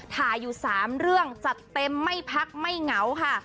ถ่ายอยู่๓เรื่องจัดเต็มไม่พักไม่เหงาค่ะ